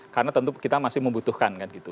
karena tentu kita masih membutuhkan kan gitu